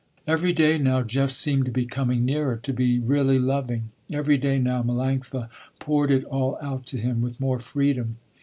Every day now, Jeff seemed to be coming nearer, to be really loving. Every day now, Melanctha poured it all out to him, with more freedom.